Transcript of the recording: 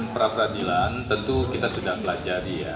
perapradilan tentu kita sudah pelajari